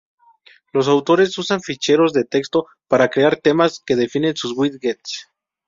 Los autores usan ficheros de texto para crear temas que definen sus widgets.